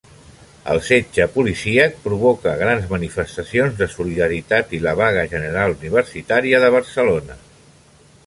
El setge policíac provoca grans manifestacions de solidaritat i la vaga general universitària de Barcelona.